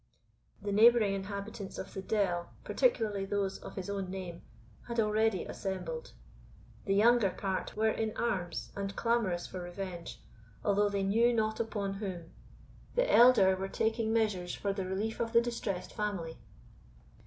The neighbouring inhabitants of the dell, particularly those of his own name, had already assembled. The younger part were in arms and clamorous for revenge, although they knew not upon whom; the elder were taking measures for the relief of the distressed family.